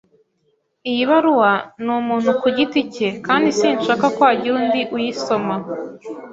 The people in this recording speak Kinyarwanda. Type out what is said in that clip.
Iyi baruwa ni umuntu ku giti cye, kandi sinshaka ko hagira undi uyisoma.